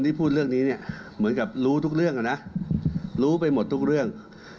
พูดเรื่องนี้เนี่ยเหมือนกับรู้ทุกเรื่องนะรู้ไปหมดทุกเรื่อง